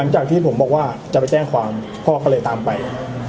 หลังจากที่ผมบอกว่าจะไปแจ้งความพ่อก็เลยตามไป